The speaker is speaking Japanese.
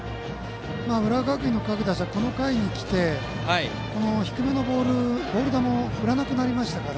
浦和学院の各打者はこの回に来て低めのボール球を振らなくなりました。